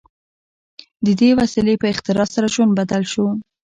د دې وسیلې په اختراع سره ژوند بدل شو.